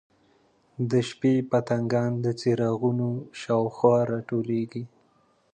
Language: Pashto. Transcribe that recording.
د شپې پتنګان د څراغونو شاوخوا راټولیږي.